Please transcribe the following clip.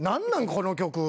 この曲。